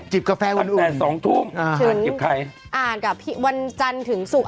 จิบกาแฟอุ่นถึงอ่านกับวันจันทร์ถึงสุก